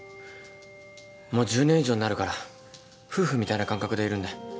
もう１０年以上になるから夫婦みたいな感覚でいるんだよ。